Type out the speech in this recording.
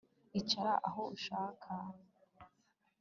Icara aho ushaka